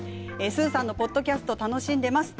スーさんのポッドキャスト楽しんでいます。